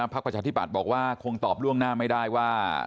ประชาธิบัตย์บอกว่าคงตอบล่วงหน้าไม่ได้ว่า